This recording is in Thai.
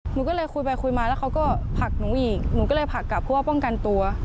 หนูก็เลยคุยไปคุยมาแล้วเขาก็ผลักหนูอีกหนูก็เลยผลักกลับเพราะว่าป้องกันตัว